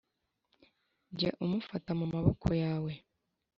jya umufata mu maboko yawe